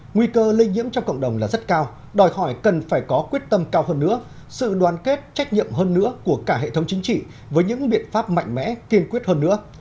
nguy cơ lây nhiễm trong cộng đồng là rất cao đòi hỏi cần phải có quyết tâm cao hơn nữa sự đoàn kết trách nhiệm hơn nữa của cả hệ thống chính trị với những biện pháp mạnh mẽ kiên quyết hơn nữa